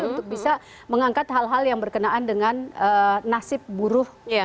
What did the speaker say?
untuk bisa mengangkat hal hal yang berkenaan dengan nasib buruh